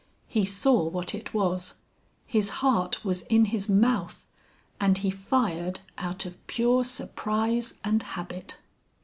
He saw what it was, his heart was in his mouth, and he fired out of pure surprise and habit.